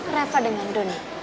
rafa dengan doni